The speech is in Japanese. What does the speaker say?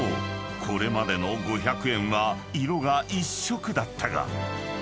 これまでの５００円は色が１色だったが］